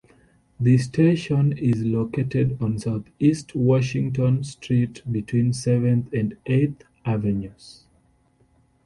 The station is located on Southeast Washington Street between Seventh and Eighth avenues.